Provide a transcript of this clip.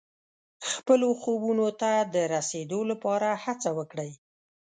خپلو خوبونو ته د رسېدو لپاره هڅه وکړئ.